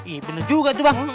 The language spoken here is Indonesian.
iya benar juga tuh bang